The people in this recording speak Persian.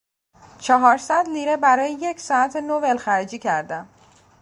چهار صد لیره برای یک ساعت نو ولخرجی کردم.